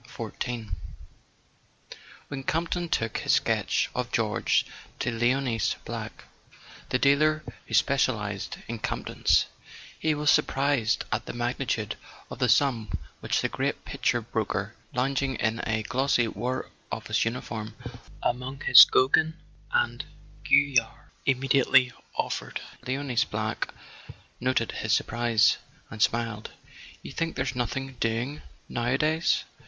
XIV W HEN Campton took his sketch of George to Leonce Black, the dealer who specialized in "Camptons," he was surprised at the magnitude of the sum which the great picture broker, lounging in a glossy War Office uniform among his Gauguins and Vuillards, immediately offered. Leonce Black noted his surprise and smiled. "You think there's nothing doing nowadays